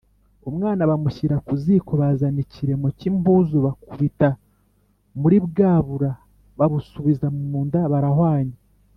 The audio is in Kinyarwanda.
Umwana bamushyira ku ziko Bazana ikiremo cy'impuzu, bakubita muri bwa bura babusubiza mu nda barahwanya